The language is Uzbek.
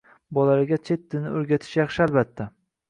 Bolalarga chet tilini o‘rgatish yaxshi, albatta.